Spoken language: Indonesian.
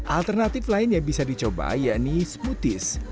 alternatif lain yang bisa dicoba yakni smoothies